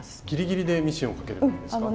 ギリギリでミシンをかけるんですか？